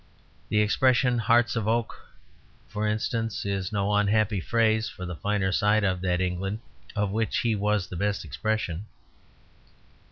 The expression "hearts of oak," for instance, is no unhappy phrase for the finer side of that England of which he was the best expression.